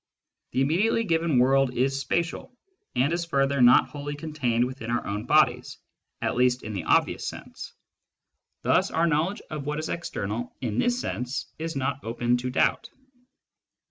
The immediately given world is spatial, and is further not wholly contained within our own bodies. Thus our knowledge of what is external in this sense is not open to doubt.